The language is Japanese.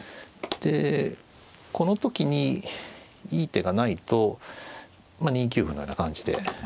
でこの時にいい手がないと２九歩のような感じで。